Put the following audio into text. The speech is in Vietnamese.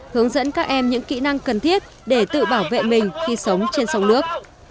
hướng dẫn các em những kỹ năng cần thiết để tự bảo vệ mình khi sống trên sông nước